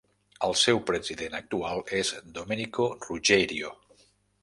El seu president actual és Domenico Ruggerio.